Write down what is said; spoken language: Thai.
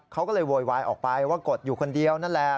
เขาก็เลยโวยวายออกไปว่ากดอยู่คนเดียวนั่นแหละ